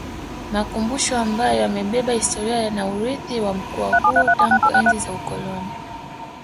Makumbusho ambayo yamebeba historia na urithi wa mkoa huo tangu enzi za wakoloni